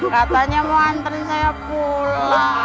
katanya mau antri saya pulang